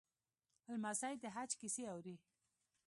لمسی د حج کیسې اوري.